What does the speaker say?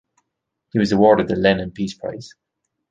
He was awarded the Lenin Peace Prize.